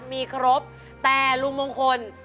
มีครบแต่ลุงมงคล